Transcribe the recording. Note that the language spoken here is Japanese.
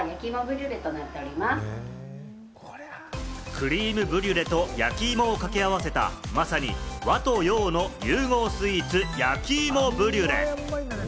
クリームブリュレと焼き芋を掛け合わせた、まさに和と洋の融合スイーツ・焼き芋ブリュレ。